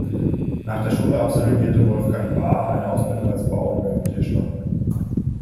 Nach der Schule absolvierte Wolfgang Baar eine Ausbildung als Bau- und Möbeltischler.